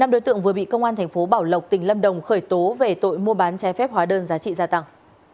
năm đối tượng vừa bị công an thành phố bảo lộc tỉnh lâm đồng khởi tố về tội mua bán trái phép hóa đơn giá trị gia tăng